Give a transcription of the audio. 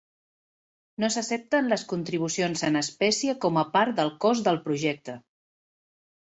No s'accepten les contribucions en espècie com a part del cost del projecte.